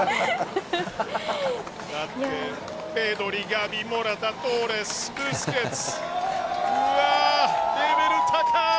だってペドリ、モラタ、トーレスブスケツ、レベル高い。